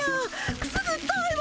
くすぐったいわ。